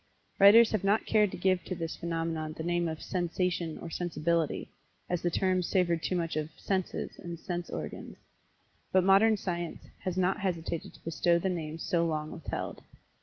Writers have not cared to give to this phenomenon the name of "sensation," or "sensibility," as the terms savored too much of "senses," and "sense organs." But Modern Science has not hesitated to bestow the names so long withheld.